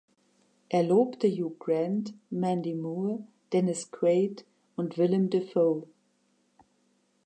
Er lobte Hugh Grant, Mandy Moore, Dennis Quaid und Willem Dafoe.